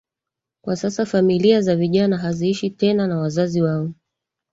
Kwa sasa familia za vijana haziishi tena na wazazi wao